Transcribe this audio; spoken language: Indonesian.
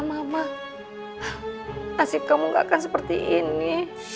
mama nasib kamu gak akan seperti ini